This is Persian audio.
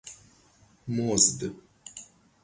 مزد